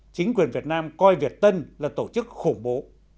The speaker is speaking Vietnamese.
chính quyền việt nam coi việt tân là tổ chức khủng bố